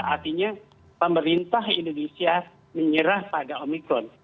artinya pemerintah indonesia menyerah pada omikron